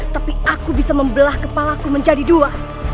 tapi aku bisa membelah kepalaku menjadi dua